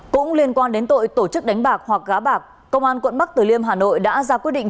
cũng liên quan đến tội tổ chức đánh bạc hoặc gá bạc công an quận bắc tử liêm hà nội đã ra quyết định